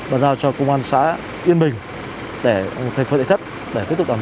bàn giao cho công an xã yên bình để thay phương đại thất để tiếp tục tàm rõ